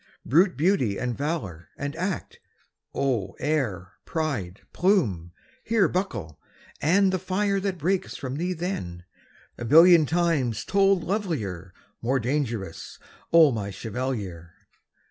Brute beauty and valour and act, oh, air, pride, plume, here Buckle! AND the fire that breaks from thee then, a billion Times told lovelier, more dangerous, O my chevalier!